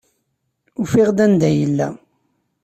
Ufiɣ-d anda ay yella.